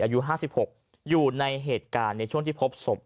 อายุ๕๖อยู่ในเหตุการณ์ในช่วงที่พบศพ